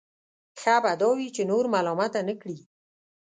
ښه به دا وي چې نور ملامته نه کړي.